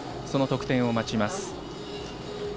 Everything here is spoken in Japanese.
その得点を待ちます。